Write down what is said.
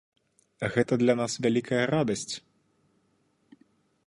Гэта для нас вялікая радасць!